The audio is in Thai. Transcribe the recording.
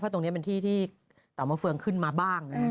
ตรงนี้เป็นที่ที่เต่ามะเฟืองขึ้นมาบ้าง